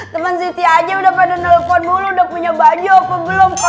temen siti aja udah pada nelfon mulu udah panggil aku aja sama si koko